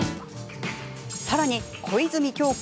さらに小泉今日子